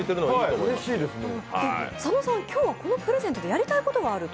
佐野さんは今日このプレゼントでやりたいことがあると？